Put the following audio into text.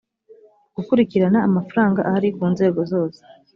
gukurikirana amafaranga ahari ku nzego zose